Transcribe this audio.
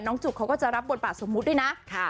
จุกเขาก็จะรับบทบาทสมมุติด้วยนะ